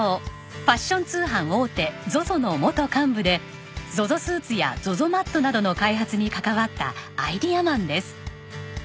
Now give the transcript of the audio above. ファッション通販大手ＺＯＺＯの元幹部でＺＯＺＯＳＵＩＴやＺＯＺＯＭＡＴなどの開発に関わったアイデアマンです。